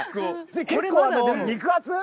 結構肉厚？